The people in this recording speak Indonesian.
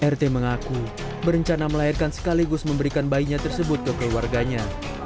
rt mengaku berencana melahirkan sekaligus memberikan bayinya tersebut ke keluarganya